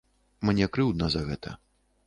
Мне крыўдна за гэта.